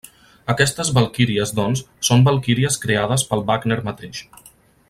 Aquestes valquíries, doncs, són valquíries creades pel Wagner mateix.